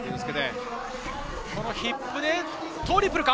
ヒップでトリプルか？